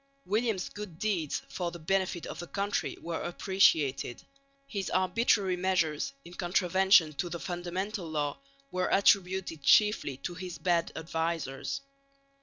William's good deeds for the benefit of the country were appreciated; his arbitrary measures in contravention to the Fundamental Law were attributed chiefly to his bad advisers.